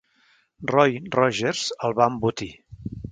Roy Rogers el va embotir!